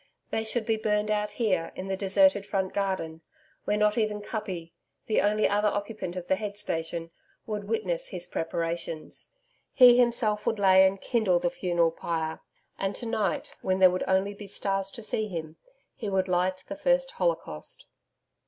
They should be burned out here in the deserted front garden, where not even Kuppi the only other occupant of the head station would witness his preparations. He himself would lay and kindle the funeral pyre, and to night, when there would be only the stars to see him, he would light the first holocaust.